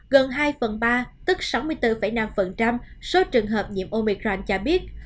gần hai phần ba tức sáu mươi bốn năm số trường hợp nhiễm omicron chả biết